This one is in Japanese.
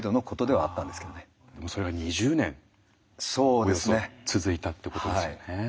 それが２０年およそ続いたってことですよね。